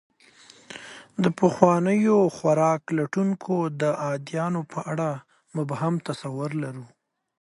د پخوانیو خوراک لټونکو د ادیانو په اړه مبهم تصور لرو.